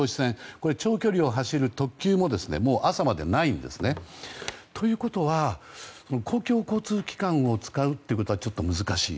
これは、長距離を走る特急も朝までないんですね。ということは公共交通機関を使うことは難しい。